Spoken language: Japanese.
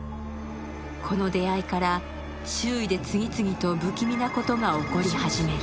この出会いから周囲で次々と不気味なことが起こり始める。